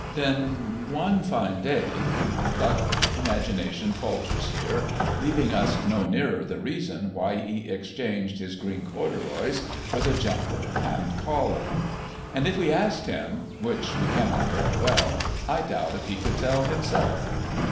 Then one fine day ... but imagination falters here, leaving us no nearer the reason why he exchanged his green corduroys for the jumper and collar. And if we asked him (which we cannot very well), I doubt if he could tell himself.